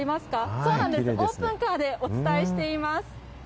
そうなんです、オープンカーでお伝えしています。